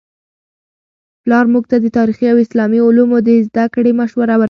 پلار موږ ته د تاریخي او اسلامي علومو د زده کړې مشوره ورکوي.